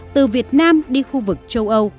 từ việt nam đi khu vực châu âu